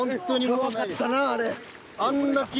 怖かったなあれ。